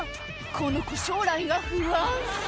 この子将来が不安